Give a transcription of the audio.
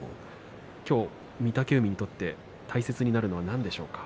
今日、御嶽海にとって大切になるのは何でしょうか？